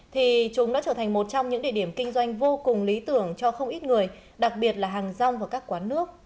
thì chúng đã trở thành một trong những địa điểm kinh doanh vô cùng lý tưởng cho không ít người đặc biệt là hàng rong và các quán nước